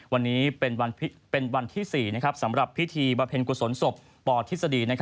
วันนี้เป็นวันที่๔สำหรับพิธีบำเพ็ญกุศลศพปทฤษฎี